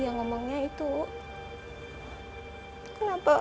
ya ngomongnya itu kenapa ususnya enggak keluar